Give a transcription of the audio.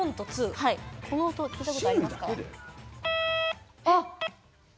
この音、聞いたことありますか？